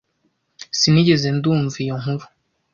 Sinigeze ndumva iyo nkuru.